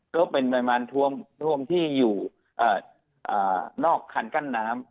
ก็เป็นปริมาณท่วมที่อยู่นอกคันกั้นน้ำ